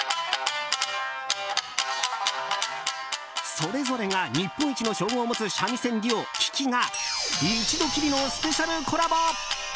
それぞれが日本一の称号を持つ三味線デュオ輝＆輝が一度きりのスペシャルコラボ。